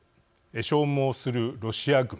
消耗するロシア軍。